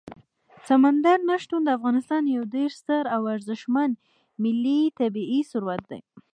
سمندر نه شتون د افغانستان یو ډېر ستر او ارزښتمن ملي طبعي ثروت دی.